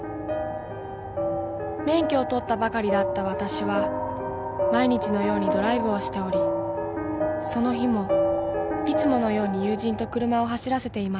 ［免許を取ったばかりだったわたしは毎日のようにドライブをしておりその日もいつものように友人と車を走らせていました］